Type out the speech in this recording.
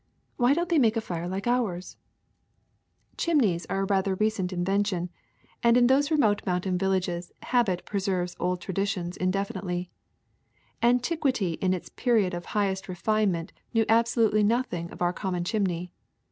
Why don't they make a fire like ours ?''^^ Chimneys are a rather recent invention, and in 129 130 THE SECRET OF EVERYDAY THINGS those remote mountain villages habit preserves old traditions indefinitely. Antiquity in its period of highest refinement knew absolutely nothing of our common chimney.